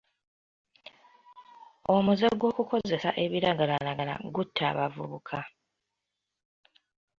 Omuze gw'okukozesa ebiragalalagala gutta abavubuka.